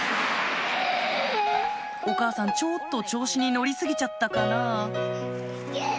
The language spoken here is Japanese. お母さんちょっと調子に乗り過ぎちゃったかな？